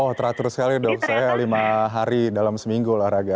oh teratur sekali dok saya lima hari dalam seminggu olahraga